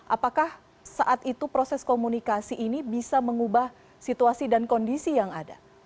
apakah saat itu proses komunikasi ini bisa mengubah situasi dan kondisi yang ada